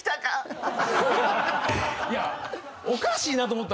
いやおかしいなと思ったんですよ。